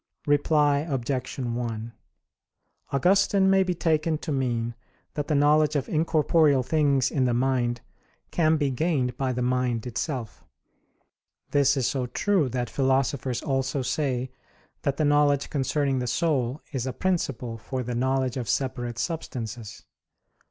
Reply Obj. 1: Augustine may be taken to mean that the knowledge of incorporeal things in the mind can be gained by the mind itself. This is so true that philosophers also say that the knowledge concerning the soul is a principle for the knowledge of separate substances.